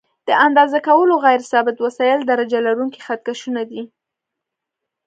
د اندازه کولو غیر ثابت وسایل درجه لرونکي خط کشونه دي.